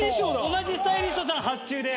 同じスタイリストさん発注で。